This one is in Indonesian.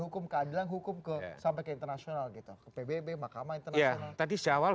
hukum keadilan hukum ke sampai ke internasional gitu ke pbb mahkamah internasional tadi sejak awal